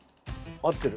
合ってる。